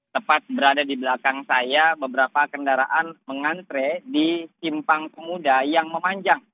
tepat berada di belakang saya beberapa kendaraan mengantre di simpang pemuda yang memanjang